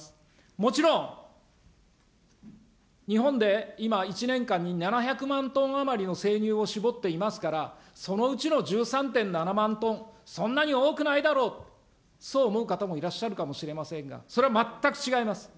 もちろん、日本で今、１年間に７００万トン余りの生乳を搾っていますから、そのうちの１３．７万トン、そんなに多くないだろう、そう思う方もいらっしゃるかもしれませんが、それは全く違います。